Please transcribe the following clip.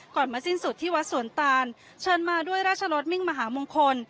มาสิ้นสุดที่วัดสวนตานเชิญมาด้วยราชรสมิ่งมหามงคล